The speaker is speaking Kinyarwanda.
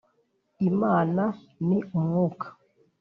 Imana ni Umwuka